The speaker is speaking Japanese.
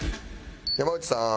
山内さん。